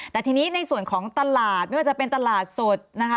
แต่ทีนี้ในส่วนของตลาดไม่ว่าจะเป็นตลาดสดนะคะ